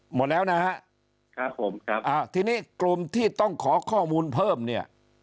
หมดแล้วนะฮะครับผมครับอ่าทีนี้กลุ่มที่ต้องขอข้อมูลเพิ่มเนี่ย